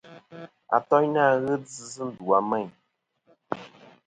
Atoynɨ fhɨ djɨ sɨ ndu a Meyn.